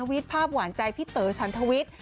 ทาวิสทาวิทภาพหวานใจพี่เป๋อฉันทาวิส